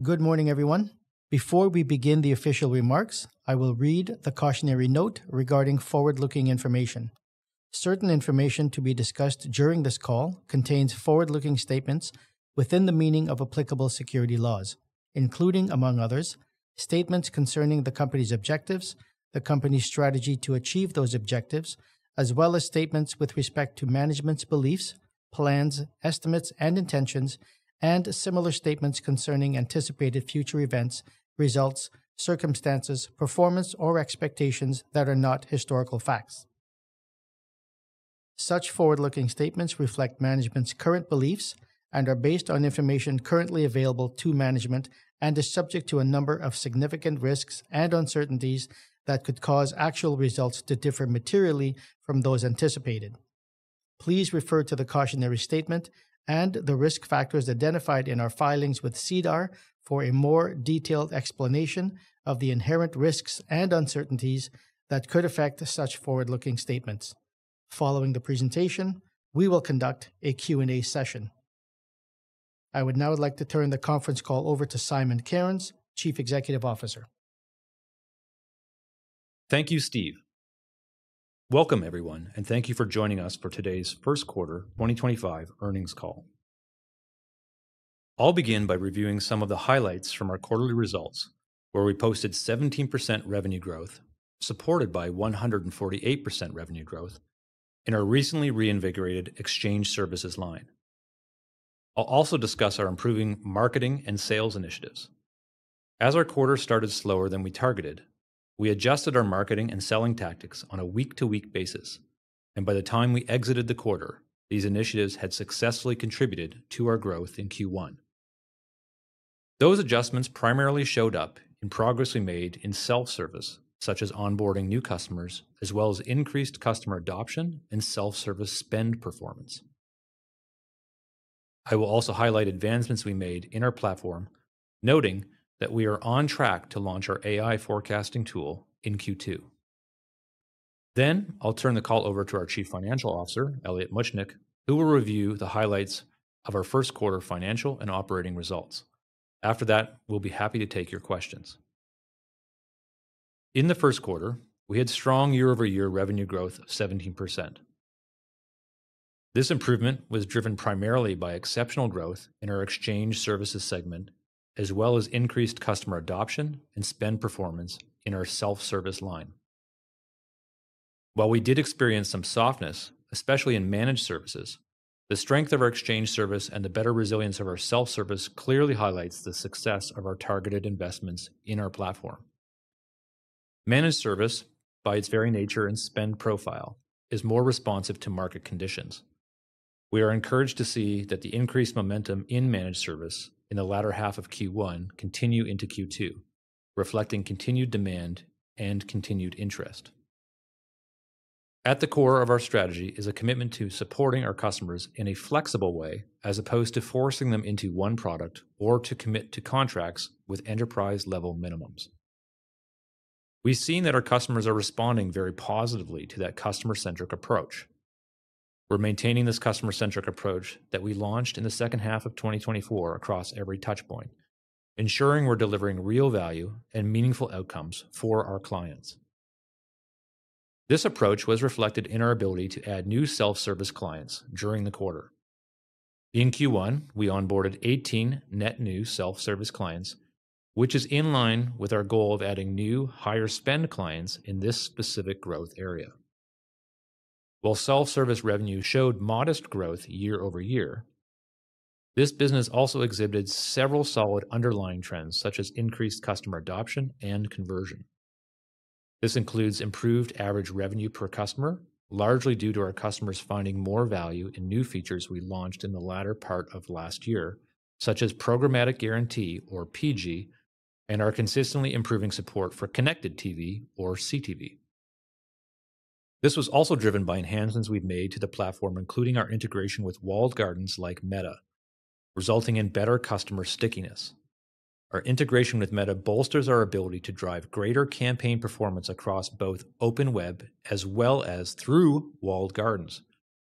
Good morning, everyone. Before we begin the official remarks, I will read the cautionary note regarding forward-looking information. Certain information to be discussed during this call contains forward-looking statements within the meaning of applicable security laws, including, among others, statements concerning the company's objectives, the company's strategy to achieve those objectives, as well as statements with respect to management's beliefs, plans, estimates, and intentions, and similar statements concerning anticipated future events, results, circumstances, performance, or expectations that are not historical facts. Such forward-looking statements reflect management's current beliefs and are based on information currently available to management and are subject to a number of significant risks and uncertainties that could cause actual results to differ materially from those anticipated. Please refer to the cautionary statement and the risk factors identified in our filings with SEDAR for a more detailed explanation of the inherent risks and uncertainties that could affect such forward-looking statements. Following the presentation, we will conduct a Q&A session. I would now like to turn the conference call over to Simon Cairns, Chief Executive Officer. Thank you, Steve. Welcome, everyone, and thank you for joining us for today's First Quarter 2025 earnings call. I'll begin by reviewing some of the highlights from our quarterly results, where we posted 17% revenue growth, supported by 148% revenue growth in our recently reinvigorated Exchange services line. I'll also discuss our improving marketing and sales initiatives. As our quarter started slower than we targeted, we adjusted our marketing and selling tactics on a week-to-week basis, and by the time we exited the quarter, these initiatives had successfully contributed to our growth in Q1. Those adjustments primarily showed up in progress we made in self-service, such as onboarding new customers, as well as increased customer adoption and self-service spend performance. I will also highlight advancements we made in our platform, noting that we are on track to launch our AI forecasting tool in Q2. I will turn the call over to our Chief Financial Officer, Elliot Muchnik, who will review the highlights of our first quarter financial and operating results. After that, we will be happy to take your questions. In the first quarter, we had strong year-over-year revenue growth of 17%. This improvement was driven primarily by exceptional growth in our Exchange services segment, as well as increased customer adoption and spend performance in our self-service line. While we did experience some softness, especially in managed services, the strength of our Exchange Services and the better resilience of our self-service clearly highlights the success of our targeted investments in our platform. Managed service, by its very nature and spend profile, is more responsive to market conditions. We are encouraged to see that the increased momentum in managed service in the latter half of Q1 continues into Q2, reflecting continued demand and continued interest. At the core of our strategy is a commitment to supporting our customers in a flexible way, as opposed to forcing them into one product or to commit to contracts with enterprise-level minimums. We have seen that our customers are responding very positively to that customer-centric approach. We are maintaining this customer-centric approach that we launched in the second half of 2024 across every touchpoint, ensuring we are delivering real value and meaningful outcomes for our clients. This approach was reflected in our ability to add new self-service clients during the quarter. In Q1, we onboarded 18 net new self-service clients, which is in line with our goal of adding new, higher-spend clients in this specific growth area. While self-service revenue showed modest growth year over year, this business also exhibited several solid underlying trends, such as increased customer adoption and conversion. This includes improved average revenue per customer, largely due to our customers finding more value in new features we launched in the latter part of last year, such as programmatic guarantee, or PG, and our consistently improving support for connected TV, or CTV. This was also driven by enhancements we've made to the platform, including our integration with walled gardens like Meta, resulting in better customer stickiness. Our integration with Meta bolsters our ability to drive greater campaign performance across both open web as well as through walled gardens,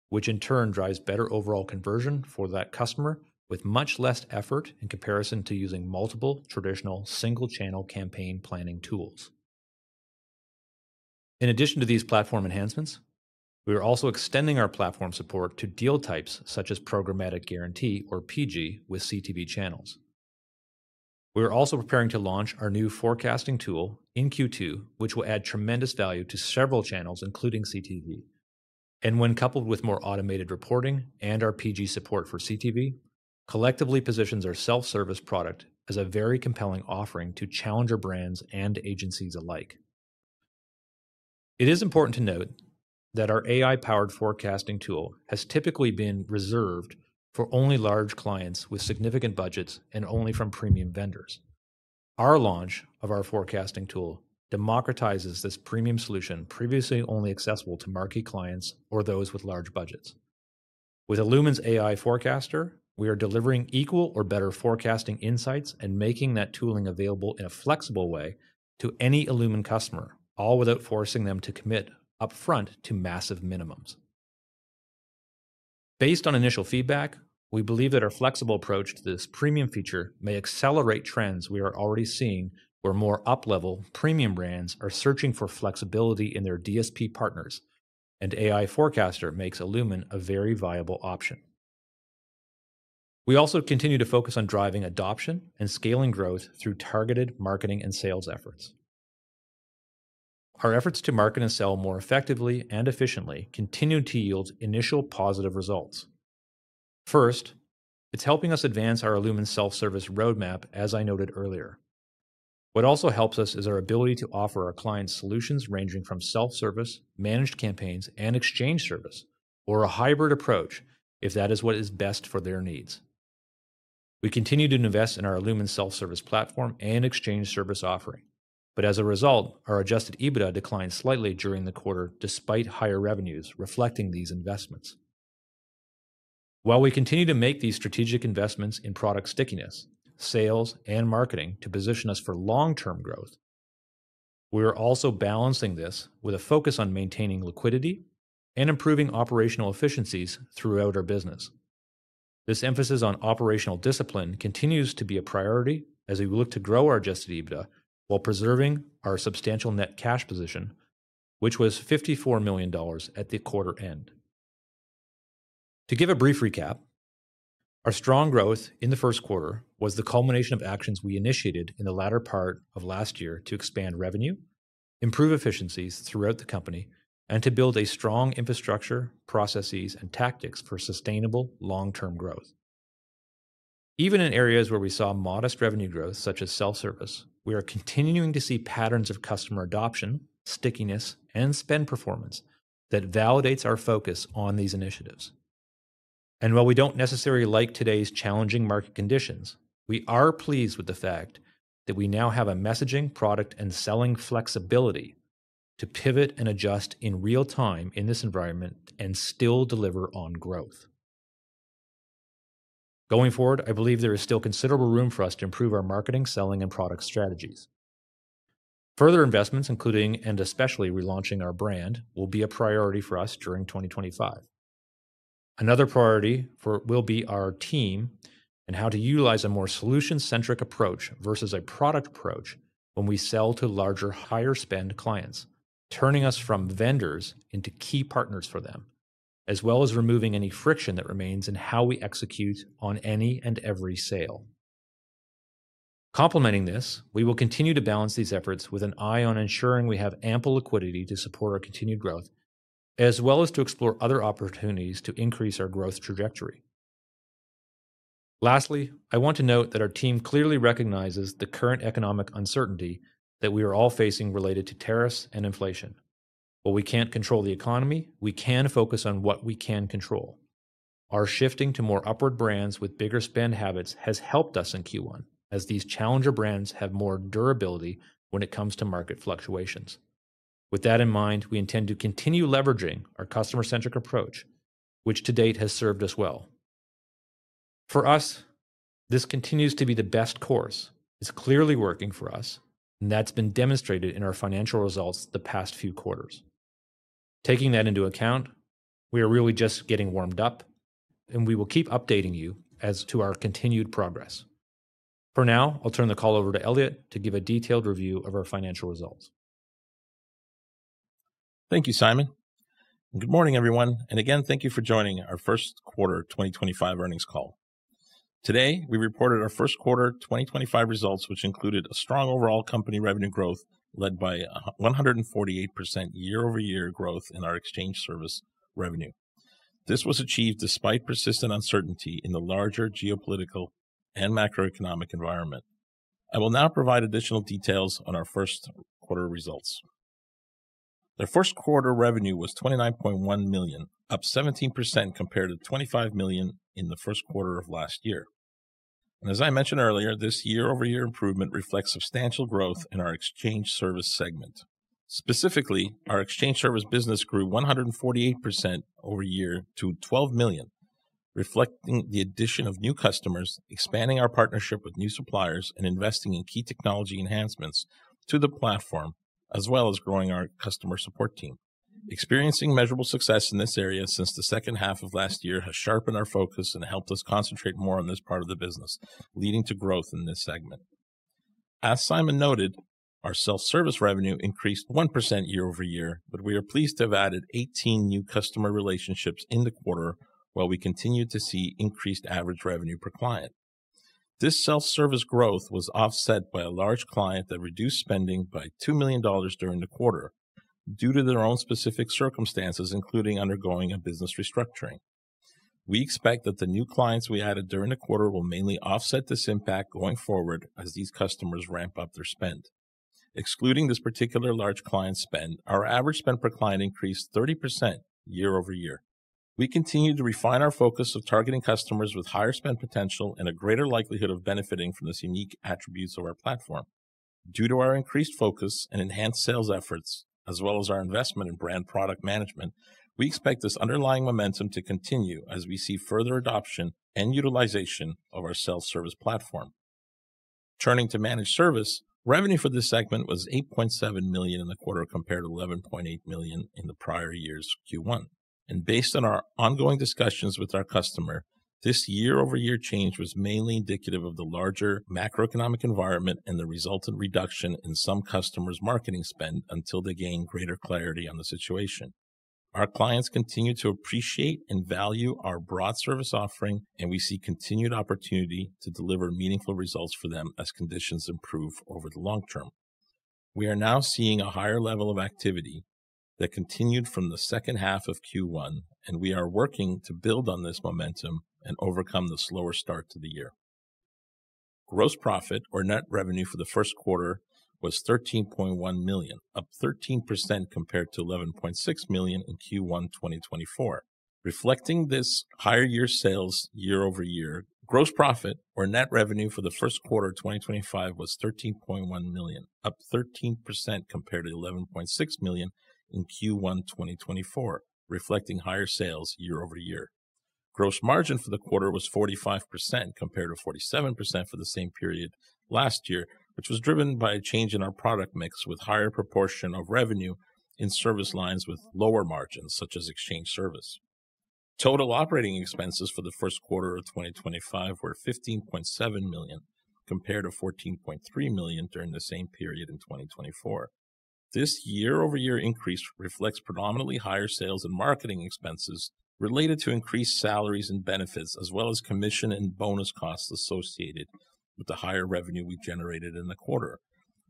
which in turn drives better overall conversion for that customer with much less effort in comparison to using multiple traditional single-channel campaign planning tools. In addition to these platform enhancements, we are also extending our platform support to deal types such as programmatic guarantee, or PG, with CTV channels. We are also preparing to launch our new forecasting tool in Q2, which will add tremendous value to several channels, including CTV, and when coupled with more automated reporting and our PG support for CTV, collectively positions our self-service product as a very compelling offering to challenge our brands and agencies alike. It is important to note that our AI-powered forecasting tool has typically been reserved for only large clients with significant budgets and only from premium vendors. Our launch of our forecasting tool democratizes this premium solution previously only accessible to marquee clients or those with large budgets. With illumin's AI forecaster, we are delivering equal or better forecasting insights and making that tooling available in a flexible way to any illumin customer, all without forcing them to commit upfront to massive minimums. Based on initial feedback, we believe that our flexible approach to this premium feature may accelerate trends we are already seeing where more up-level premium brands are searching for flexibility in their DSP partners, and AI forecaster makes illumin a very viable option. We also continue to focus on driving adoption and scaling growth through targeted marketing and sales efforts. Our efforts to market and sell more effectively and efficiently continue to yield initial positive results. First, it is helping us advance our illumin's self-service roadmap, as I noted earlier. What also helps us is our ability to offer our clients solutions ranging from self-service, managed campaigns, and exchange service, or a hybrid approach if that is what is best for their needs. We continue to invest in our illumin's self-service platform and Exchange service offering, but as a result, our adjusted EBITDA declined slightly during the quarter despite higher revenues reflecting these investments. While we continue to make these strategic investments in product stickiness, sales, and marketing to position us for long-term growth, we are also balancing this with a focus on maintaining liquidity and improving operational efficiencies throughout our business. This emphasis on operational discipline continues to be a priority as we look to grow our adjusted EBITDA while preserving our substantial net cash position, which was 54 million dollars at the quarter end. To give a brief recap, our strong growth in the first quarter was the culmination of actions we initiated in the latter part of last year to expand revenue, improve efficiencies throughout the company, and to build a strong infrastructure, processes, and tactics for sustainable long-term growth. Even in areas where we saw modest revenue growth, such as self-service, we are continuing to see patterns of customer adoption, stickiness, and spend performance that validates our focus on these initiatives. While we do not necessarily like today's challenging market conditions, we are pleased with the fact that we now have a messaging, product, and selling flexibility to pivot and adjust in real time in this environment and still deliver on growth. Going forward, I believe there is still considerable room for us to improve our marketing, selling, and product strategies. Further investments, including and especially relaunching our brand, will be a priority for us during 2025. Another priority will be our team and how to utilize a more solution-centric approach versus a product approach when we sell to larger, higher-spend clients, turning us from vendors into key partners for them, as well as removing any friction that remains in how we execute on any and every sale. Complementing this, we will continue to balance these efforts with an eye on ensuring we have ample liquidity to support our continued growth, as well as to explore other opportunities to increase our growth trajectory. Lastly, I want to note that our team clearly recognizes the current economic uncertainty that we are all facing related to tariffs and inflation. While we can't control the economy, we can focus on what we can control. Our shifting to more upward brands with bigger spend habits has helped us in Q1, as these challenger brands have more durability when it comes to market fluctuations. With that in mind, we intend to continue leveraging our customer-centric approach, which to date has served us well. For us, this continues to be the best course. It is clearly working for us, and that has been demonstrated in our financial results the past few quarters. Taking that into account, we are really just getting warmed up, and we will keep updating you as to our continued progress. For now, I'll turn the call over to Elliot to give a detailed review of our financial results. Thank you, Simon. Good morning, everyone. Again, thank you for joining our First Quarter 2025 earnings call. Today, we reported our First Quarter 2025 results, which included a strong overall company revenue growth led by a 148% year-over-year growth in our Exchange Service revenue. This was achieved despite persistent uncertainty in the larger geopolitical and macroeconomic environment. I will now provide additional details on our First Quarter results. Our First Quarter revenue was 29.1 million, up 17% compared to 25 million in the first quarter of last year. As I mentioned earlier, this year-over-year improvement reflects substantial growth in our Exchange service segment. Specifically, our Exchange service business grew 148% over a year to 12 million, reflecting the addition of new customers, expanding our partnership with new suppliers, and investing in key technology enhancements to the platform, as well as growing our customer support team. Experiencing measurable success in this area since the second half of last year has sharpened our focus and helped us concentrate more on this part of the business, leading to growth in this segment. As Simon noted, our self-service revenue increased 1% year-over-year, but we are pleased to have added 18 new customer relationships in the quarter while we continue to see increased average revenue per client. This self-service growth was offset by a large client that reduced spending by 2 million dollars during the quarter due to their own specific circumstances, including undergoing a business restructuring. We expect that the new clients we added during the quarter will mainly offset this impact going forward as these customers ramp up their spend. Excluding this particular large client spend, our average spend per client increased 30% year-over-year. We continue to refine our focus of targeting customers with higher spend potential and a greater likelihood of benefiting from these unique attributes of our platform. Due to our increased focus and enhanced sales efforts, as well as our investment in brand product management, we expect this underlying momentum to continue as we see further adoption and utilization of our self-service platform. Turning to managed service, revenue for this segment was 8.7 million in the quarter compared to 11.8 million in the prior year's Q1. Based on our ongoing discussions with our customer, this year-over-year change was mainly indicative of the larger macroeconomic environment and the resultant reduction in some customers' marketing spend until they gain greater clarity on the situation. Our clients continue to appreciate and value our broad service offering, and we see continued opportunity to deliver meaningful results for them as conditions improve over the long term. We are now seeing a higher level of activity that continued from the second half of Q1, and we are working to build on this momentum and overcome the slower start to the year. Gross profit, or net revenue for the first quarter, was 13.1 million, up 13% compared to 11.6 million in Q1 2024. Reflecting this higher sales year-over-year, gross profit, or net revenue for the first quarter of 2025, was 13.1 million, up 13% compared to 11.6 million in Q1 2024, reflecting higher sales year-over-year. Gross margin for the quarter was 45% compared to 47% for the same period last year, which was driven by a change in our product mix with a higher proportion of revenue in service lines with lower margins such as Exchange service. Total operating expenses for the first quarter of 2025 were 15.7 million compared to 14.3 million during the same period in 2024. This year-over-year increase reflects predominantly higher sales and marketing expenses related to increased salaries and benefits, as well as commission and bonus costs associated with the higher revenue we generated in the quarter.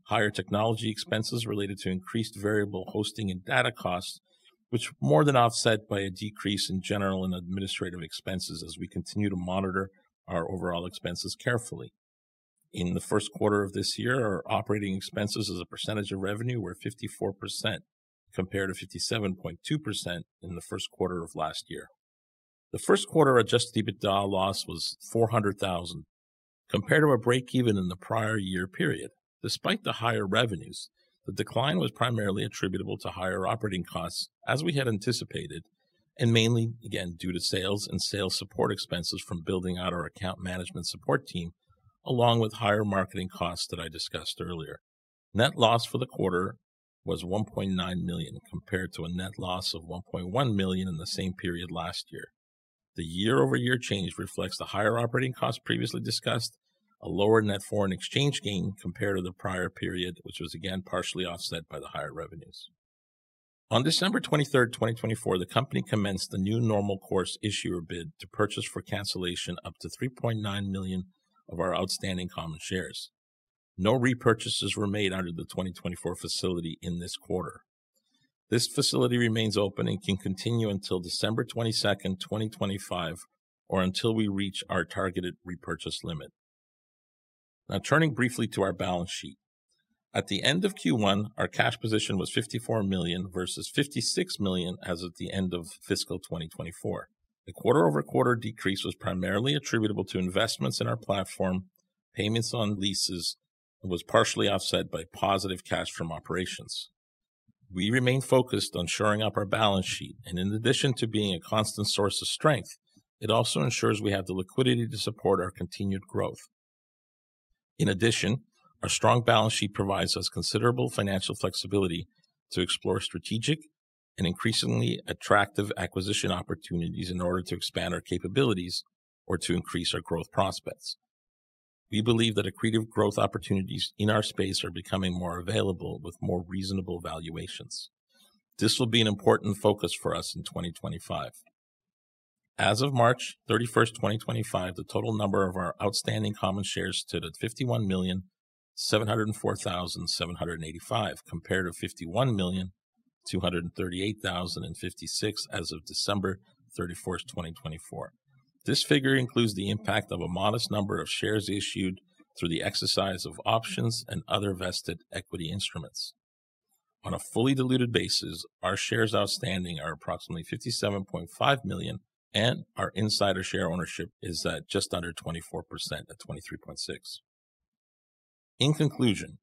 Higher technology expenses related to increased variable hosting and data costs, which were more than offset by a decrease in general and administrative expenses as we continue to monitor our overall expenses carefully. In the first quarter of this year, our operating expenses as a percentage of revenue were 54% compared to 57.2% in the first quarter of last year. The first quarter adjusted EBITDA loss was 400,000 compared to our breakeven in the prior year period. Despite the higher revenues, the decline was primarily attributable to higher operating costs, as we had anticipated, and mainly, again, due to sales and sales support expenses from building out our account management support team, along with higher marketing costs that I discussed earlier. Net loss for the quarter was 1.9 million compared to a net loss of 1.1 million in the same period last year. The year-over-year change reflects the higher operating costs previously discussed, a lower net foreign exchange gain compared to the prior period, which was again partially offset by the higher revenues. On December 23rd, 2024, the company commenced the new normal course issuer bid to purchase for cancellation up to 3.9 million of our outstanding common shares. No repurchases were made out of the 2024 facility in this quarter. This facility remains open and can continue until December 22nd, 2025, or until we reach our targeted repurchase limit. Now, turning briefly to our balance sheet. At the end of Q1, our cash position was 54 million versus 56 million as of the end of fiscal 2024. The quarter-over-quarter decrease was primarily attributable to investments in our platform, payments on leases, and was partially offset by positive cash from operations. We remain focused on shoring up our balance sheet, and in addition to being a constant source of strength, it also ensures we have the liquidity to support our continued growth. In addition, our strong balance sheet provides us considerable financial flexibility to explore strategic and increasingly attractive acquisition opportunities in order to expand our capabilities or to increase our growth prospects. We believe that accretive growth opportunities in our space are becoming more available with more reasonable valuations. This will be an important focus for us in 2025. As of March 31st, 2025, the total number of our outstanding common shares stood at 51,704,785 compared to 51,238,056 as of December 31st, 2024. This figure includes the impact of a modest number of shares issued through the exercise of options and other vested equity instruments. On a fully diluted basis, our shares outstanding are approximately 57.5 million, and our insider share ownership is just under 24% at 23.6 million. In conclusion,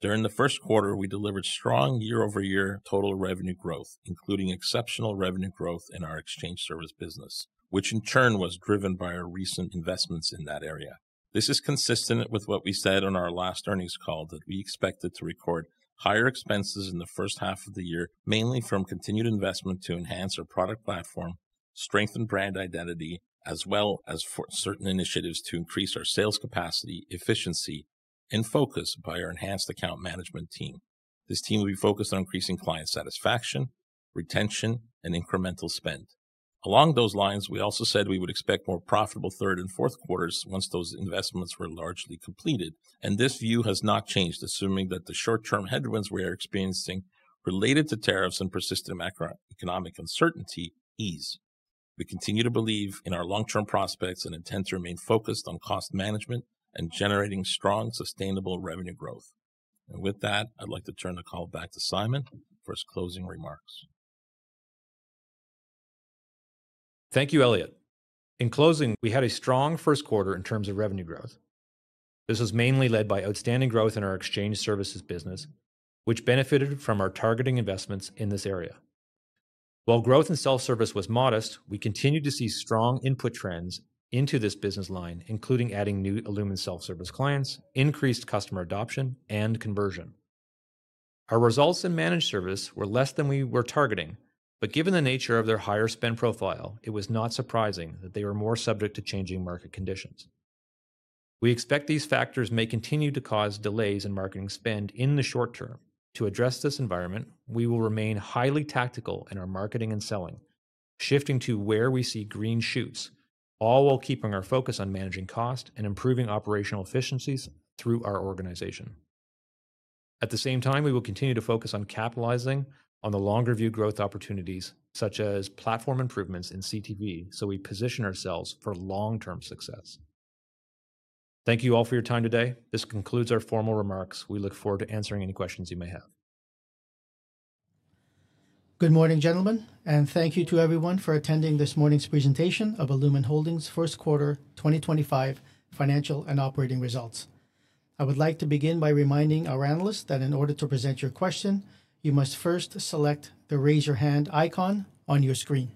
during the first quarter, we delivered strong year-over-year total revenue growth, including exceptional revenue growth in our Exchange service business, which in turn was driven by our recent investments in that area. This is consistent with what we said on our last earnings call that we expected to record higher expenses in the first half of the year, mainly from continued investment to enhance our product platform, strengthen brand identity, as well as certain initiatives to increase our sales capacity, efficiency, and focus by our enhanced account management team. This team will be focused on increasing client satisfaction, retention, and incremental spend. Along those lines, we also said we would expect more profitable third and fourth quarters once those investments were largely completed, and this view has not changed, assuming that the short-term headwinds we are experiencing related to tariffs and persistent macroeconomic uncertainty ease. We continue to believe in our long-term prospects and intend to remain focused on cost management and generating strong, sustainable revenue growth. With that, I'd like to turn the call back to Simon for his closing remarks. Thank you, Elliot. In closing, we had a strong first quarter in terms of revenue growth. This was mainly led by outstanding growth in our Exchange services business, which benefited from our targeting investments in this area. While growth in self-service was modest, we continued to see strong input trends into this business line, including adding new illumin self-service clients, increased customer adoption, and conversion. Our results in Managed service were less than we were targeting, but given the nature of their higher spend profile, it was not surprising that they were more subject to changing market conditions. We expect these factors may continue to cause delays in marketing spend in the short term. To address this environment, we will remain highly tactical in our marketing and selling, shifting to where we see green shoots, all while keeping our focus on managing cost and improving operational efficiencies through our organization. At the same time, we will continue to focus on capitalizing on the longer-view growth opportunities, such as platform improvements in CTV, so we position ourselves for long-term success. Thank you all for your time today. This concludes our formal remarks. We look forward to answering any questions you may have. Good morning, gentlemen, and thank you to everyone for attending this morning's presentation of illumin Holdings' first quarter 2025 financial and operating results. I would like to begin by reminding our analysts that in order to present your question, you must first select the raise your hand icon on your screen.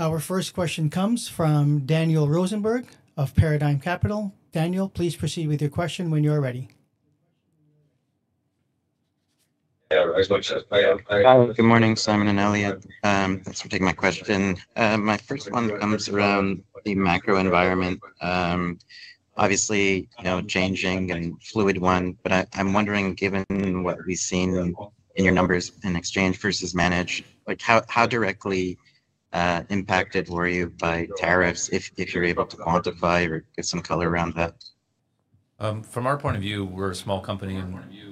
Our first question comes from Daniel Rosenberg of Paradigm Capital. Daniel, please proceed with your question when you're ready. Hi, good morning, Simon and Elliot. Thanks for taking my question. My first one comes around the macro environment. Obviously, changing and fluid one, but I'm wondering, given what we've seen in your numbers in Exchange versus Managed, how directly impacted were you by tariffs, if you're able to quantify or get some color around that? From our point of view, we're a small company.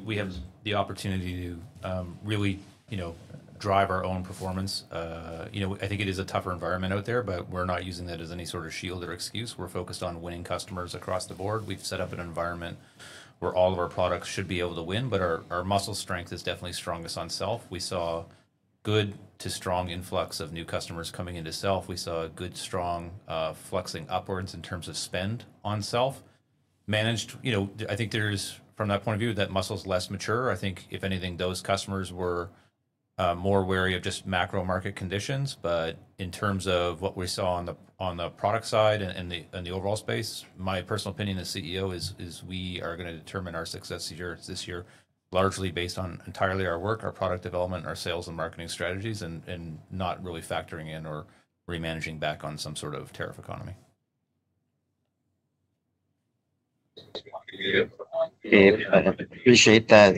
We have the opportunity to really drive our own performance. I think it is a tougher environment out there, but we're not using that as any sort of shield or excuse. We're focused on winning customers across the board. We've set up an environment where all of our products should be able to win, but our muscle strength is definitely strongest on self. We saw good to strong influx of new customers coming into self. We saw good, strong flexing upwards in terms of spend on self. Managed, I think there's, from that point of view, that muscle's less mature. I think, if anything, those customers were more wary of just macro market conditions. In terms of what we saw on the product side and the overall space, my personal opinion as CEO is we are going to determine our success this year largely based on entirely our work, our product development, our sales and marketing strategies, and not really factoring in or remanaging back on some sort of tariff economy. Appreciate that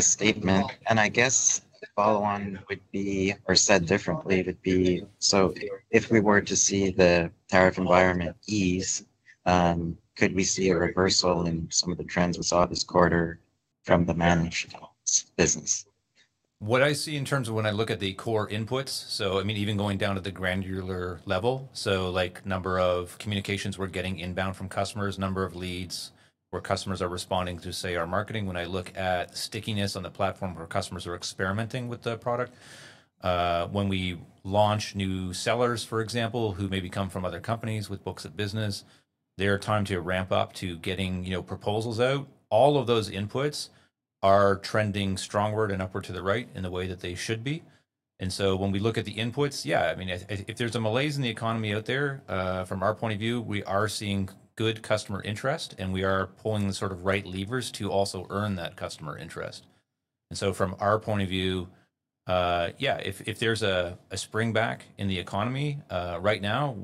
statement. I guess the follow-on would be, or said differently, would be, if we were to see the tariff environment ease, could we see a reversal in some of the trends we saw this quarter from the managed business? What I see in terms of when I look at the core inputs, I mean, even going down to the granular level, like number of communications we're getting inbound from customers, number of leads where customers are responding to, say, our marketing. When I look at stickiness on the platform where customers are experimenting with the product, when we launch new sellers, for example, who maybe come from other companies with books of business, their time to ramp up to getting proposals out, all of those inputs are trending strongward and upward to the right in the way that they should be. When we look at the inputs, yeah, I mean, if there's a malaise in the economy out there, from our point of view, we are seeing good customer interest, and we are pulling the sort of right levers to also earn that customer interest. From our point of view, yeah, if there is a spring back in the economy right now,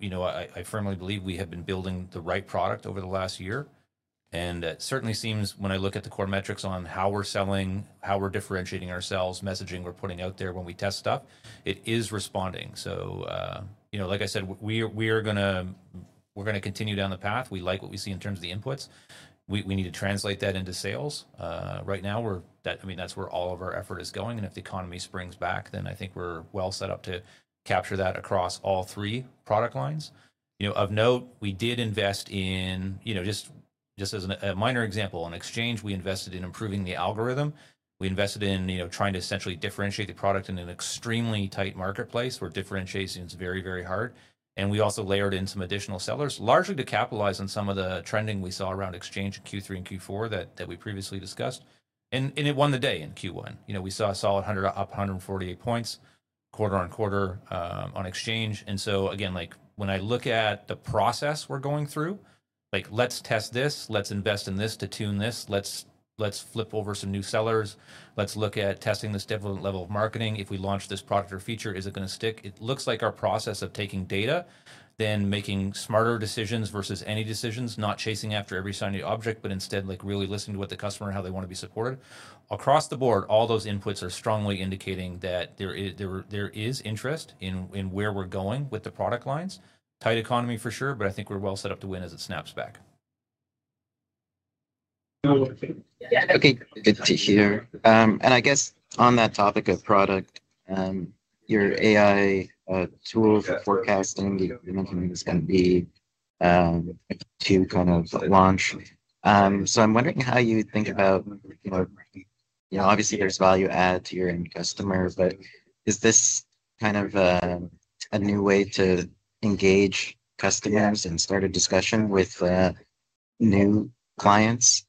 I firmly believe we have been building the right product over the last year. It certainly seems, when I look at the core metrics on how we are selling, how we are differentiating ourselves, messaging we are putting out there when we test stuff, it is responding. Like I said, we are going to continue down the path. We like what we see in terms of the inputs. We need to translate that into sales. Right now, I mean, that is where all of our effort is going. If the economy springs back, then I think we are well set up to capture that across all three product lines. Of note, we did invest in, just as a minor example, in exchange, we invested in improving the algorithm. We invested in trying to essentially differentiate the product in an extremely tight marketplace where differentiation is very, very hard. We also layered in some additional sellers, largely to capitalize on some of the trending we saw around exchange in Q3 and Q4 that we previously discussed. It won the day in Q1. We saw a solid 148% points quarter on quarter on exchange. When I look at the process we are going through, let's test this, let's invest in this to tune this, let's flip over some new sellers, let's look at testing this different level of marketing. If we launch this product or feature, is it going to stick? It looks like our process of taking data, then making smarter decisions versus any decisions, not chasing after every sign of the object, but instead really listening to what the customer and how they want to be supported. Across the board, all those inputs are strongly indicating that there is interest in where we're going with the product lines. Tight economy for sure, but I think we're well set up to win as it snaps back. Okay, good to hear. I guess on that topic of product, your AI tool for forecasting, you mentioned it's going to be to kind of launch. I'm wondering how you think about, obviously, there's value add to your end customer, but is this kind of a new way to engage customers and start a discussion with new clients,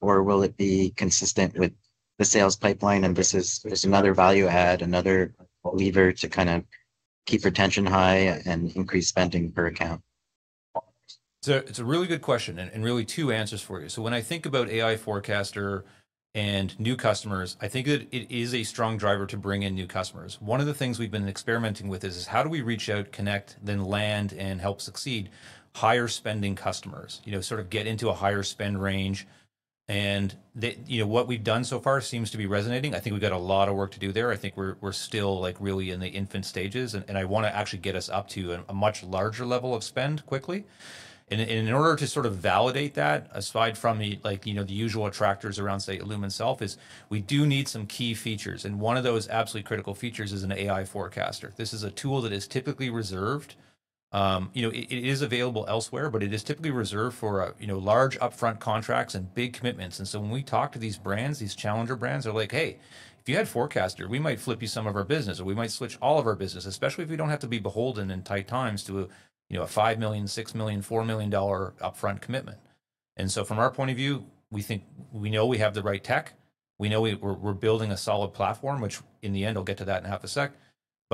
or will it be consistent with the sales pipeline? Is this another value add, another lever to kind of keep retention high and increase spending per account? It's a really good question and really two answers for you. When I think about AI forecaster and new customers, I think it is a strong driver to bring in new customers. One of the things we've been experimenting with is how do we reach out, connect, then land and help succeed higher spending customers, sort of get into a higher spend range. What we've done so far seems to be resonating. I think we've got a lot of work to do there. I think we're still really in the infant stages, and I want to actually get us up to a much larger level of spend quickly. In order to sort of validate that, aside from the usual attractors around, say, illumin itself, we do need some key features. One of those absolutely critical features is an AI forecaster. This is a tool that is typically reserved. It is available elsewhere, but it is typically reserved for large upfront contracts and big commitments. When we talk to these brands, these challenger brands, they're like, "Hey, if you had forecaster, we might flip you some of our business, or we might switch all of our business, especially if we do not have to be beholden in tight times to a 5 million, 6 million, 4 million dollar upfront commitment." From our point of view, we know we have the right tech. We know we're building a solid platform, which in the end, I'll get to that in half a sec.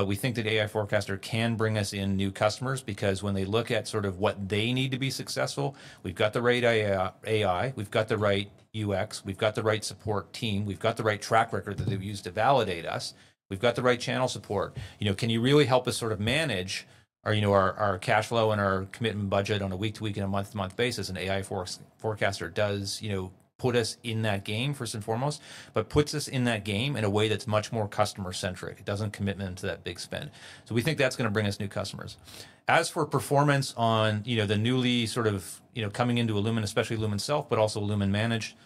We think that AI forecaster can bring us in new customers because when they look at sort of what they need to be successful, we've got the right AI, we've got the right UX, we've got the right support team, we've got the right track record that they've used to validate us, we've got the right channel support. Can you really help us sort of manage our cash flow and our commitment budget on a week-to-week and a month-to-month basis? An AI forecaster does put us in that game, first and foremost, but puts us in that game in a way that's much more customer-centric. It doesn't commitment to that big spend. We think that's going to bring us new customers. As for performance on the newly sort of coming into illumin, especially illumin itself, but also illumin managed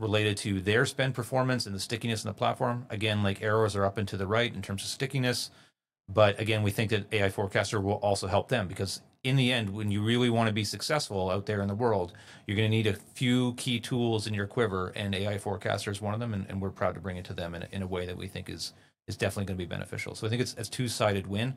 related to their spend performance and the stickiness in the platform, again, like arrows are up and to the right in terms of stickiness. Again, we think that AI forecaster will also help them because in the end, when you really want to be successful out there in the world, you're going to need a few key tools in your quiver, and AI forecaster is one of them, and we're proud to bring it to them in a way that we think is definitely going to be beneficial. I think it's a two-sided win.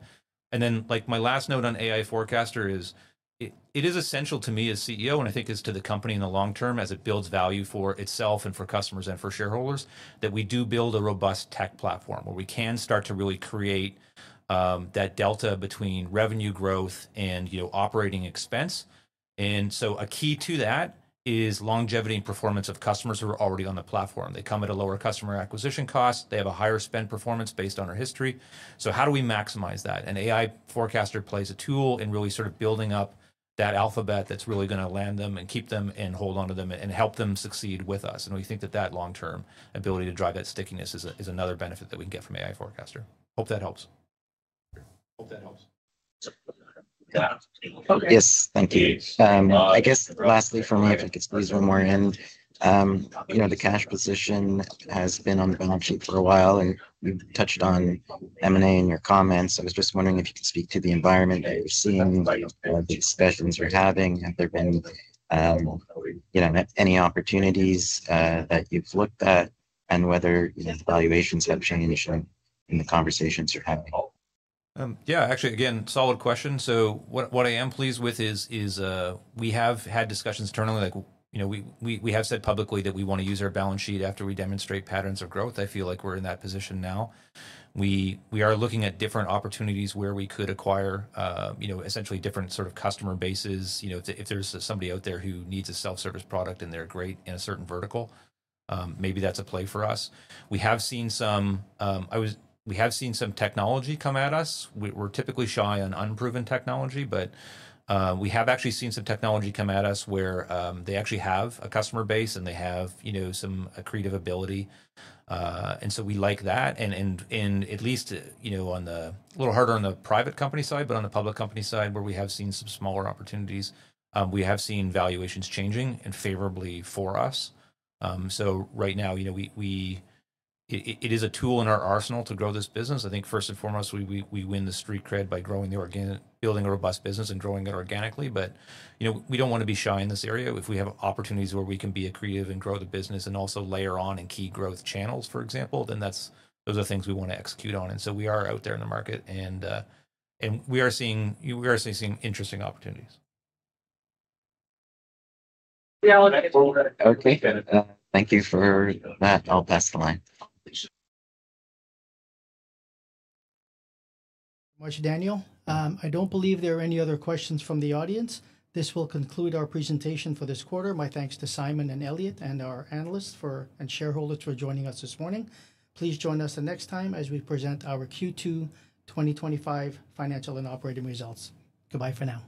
My last note on AI forecaster is it is essential to me as CEO, and I think is to the company in the long term as it builds value for itself and for customers and for shareholders that we do build a robust tech platform where we can start to really create that delta between revenue growth and operating expense. A key to that is longevity and performance of customers who are already on the platform. They come at a lower customer acquisition cost. They have a higher spend performance based on our history. How do we maximize that? An AI forecaster plays a tool in really sort of building up that alphabet that is really going to land them and keep them and hold on to them and help them succeed with us. We think that that long-term ability to drive that stickiness is another benefit that we can get from AI forecaster. Hope that helps. Yes, thank you. I guess lastly for me, if I could squeeze one more in, the cash position has been on the balance sheet for a while, and you touched on M&A in your comments. I was just wondering if you could speak to the environment that you're seeing, the discussions you're having. Have there been any opportunities that you've looked at and whether valuations have changed in the conversations you're having? Yeah, actually, again, solid question. What I am pleased with is we have had discussions internally. We have said publicly that we want to use our balance sheet after we demonstrate patterns of growth. I feel like we're in that position now. We are looking at different opportunities where we could acquire essentially different sort of customer bases. If there's somebody out there who needs a self-service product and they're great in a certain vertical, maybe that's a play for us. We have seen some technology come at us. We're typically shy on unproven technology, but we have actually seen some technology come at us where they actually have a customer base and they have some creative ability. We like that. At least a little harder on the private company side, but on the public company side where we have seen some smaller opportunities, we have seen valuations changing and favorably for us. Right now, it is a tool in our arsenal to grow this business. I think first and foremost, we win the street cred by building a robust business and growing it organically. We do not want to be shy in this area. If we have opportunities where we can be creative and grow the business and also layer on in key growth channels, for example, then those are things we want to execute on. We are out there in the market, and we are seeing interesting opportunities. Okay, good. Thank you for that. I'll pass the line. Thanks. Thanks, Daniel. I don't believe there are any other questions from the audience. This will conclude our presentation for this quarter. My thanks to Simon and Elliot and our analysts and shareholders for joining us this morning. Please join us next time as we present our Q2 2025 financial and operating results. Goodbye for now.